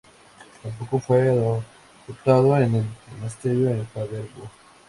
Tampoco fue aceptado en el monasterio en Paderborn.